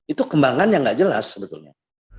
itu kembangan yang nggak jelas sebetulnya